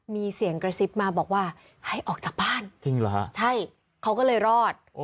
มีเสียงกระซิบมาบอกว่าให้ออกจากบ้านจริงเหรอฮะใช่เขาก็เลยรอด